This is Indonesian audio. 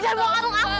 jangan buang kalung aku